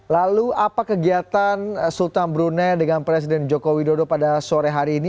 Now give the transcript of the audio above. lalu apa kegiatan sultan brunei dengan presiden joko widodo pada sore hari ini